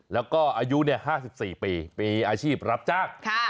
แล้วก็อายุ๕๔ปีมีอาชีพรับจ้าง